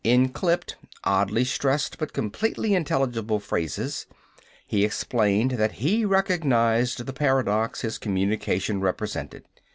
In clipped, oddly stressed, but completely intelligible phrases, he explained that he recognized the paradox his communication represented.